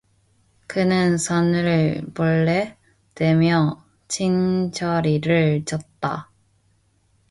그는 손을 볼에 대며 진저리를 쳤다.